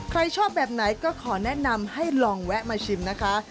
ใครชอบแบบไหนก็ขอแนะนำให้ลองแวะมาชิมนะคะ